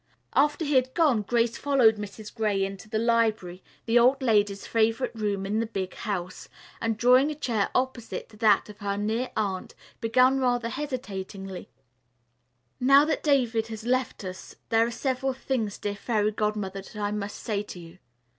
After he had gone, Grace followed Mrs. Gray into the library, the old lady's favorite room in the big house, and, drawing a chair opposite to that of her near aunt, began rather hesitatingly, "Now that David has left us, there are several things, dear Fairy Godmother, that I must say to you.